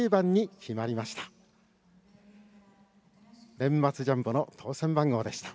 年末ジャンボの当せん番号でした。